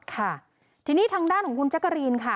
ค่ะทีนี้ทางด้านของคุณแจ๊กกะรีนค่ะ